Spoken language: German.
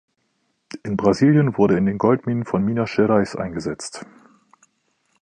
In Brasilien wurde er in den Goldminen von Minas Gerais eingesetzt.